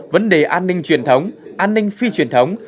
vấn đề an ninh truyền thống an ninh phi truyền thống